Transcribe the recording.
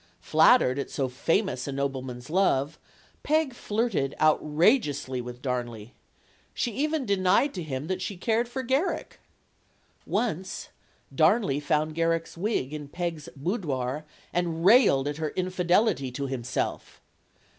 Flat tered at so famous a nobleman's love, Peg flirted out rageously with Darnley. She even denied to him that she cared for Garrick. Once Darnley found Garrick's wig in Peg's boudoir and railed at her infidelity to himself.